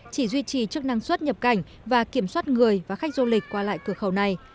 chỉ duy trì chức năng xuất nhập cảnh và kiểm soát người và khách du lịch qua lại cửa khẩu này